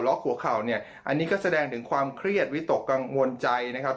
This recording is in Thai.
หัวเข่าเนี่ยอันนี้ก็แสดงถึงความเครียดวิตกกังวลใจนะครับ